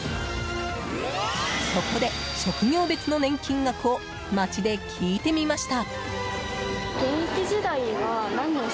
そこで、職業別の年金額を街で聞いてみました。